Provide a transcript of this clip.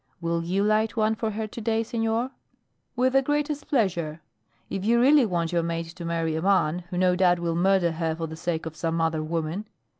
Will you light one for her to day, senor?" "With the greatest pleasure; if you really want your maid to marry a man who no doubt will murder her for the sake of some other woman."